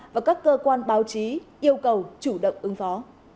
và các cơ quan báo chí yêu cầu chủ động ứng phó